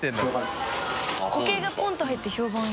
固形がポンと入って評判いい？